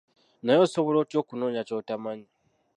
Naye osobola otya okunonya ky'otomanyi?